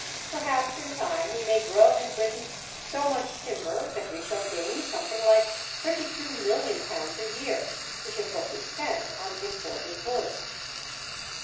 Perhaps in time we may grow in Britain so much timber that we shall gain something like £32,000,000 a year, which is what we spend on imported woods.